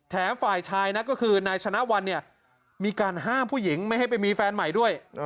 ฝ่ายชายนะก็คือนายชนะวันเนี่ยมีการห้ามผู้หญิงไม่ให้ไปมีแฟนใหม่ด้วย